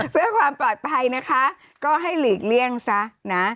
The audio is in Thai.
เพื่อความปลอดภัยนะคะก็ให้หลีกเลี่ยงซะนะ